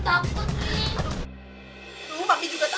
aduh aduh aduh aduh aduh